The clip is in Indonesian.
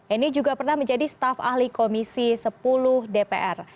eni juga pernah menjadi staf ahli komisi sepuluh dpr